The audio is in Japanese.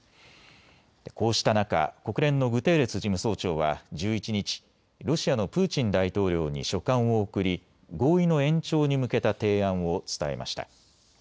こうした中、国連のグテーレス事務総長は１１日、ロシアのプーチン大統領に書簡を送り合意の延長に向けた提案を伝えました。